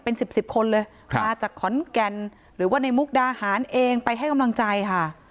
เป็นสิบสิบคนเลยมาจากขอนแก่นหรือว่าในมุกดาหารเองไปให้กำลังใจค่ะ